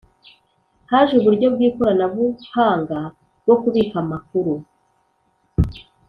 Haje uburyo bw’ikoranabuhanga bwo kubika amakuru